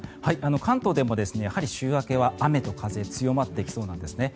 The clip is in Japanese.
関東でも、やはり週明けは雨と風が強まってきそうなんですね。